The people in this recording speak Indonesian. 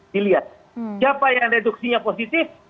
dilihat siapa yang reduksinya positif